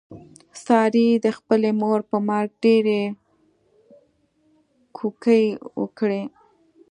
سارې د خپلې مور په مرګ ډېرې کوکې وکړلې.